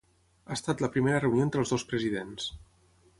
Ha estat la primera reunió entre els dos presidents.